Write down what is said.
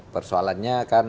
persoalannya kan dua